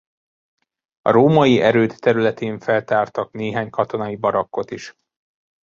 A római erőd területén feltártak néhány katonai barakkot is.